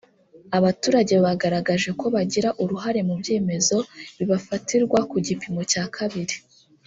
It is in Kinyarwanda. abaturage bagaragaje ko bagira uruhare mu byemezo bibafatirwa ku gipimo cya kabiri